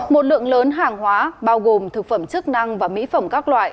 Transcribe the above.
một lượng lớn hàng hóa bao gồm thực phẩm chức năng và mỹ phẩm các loại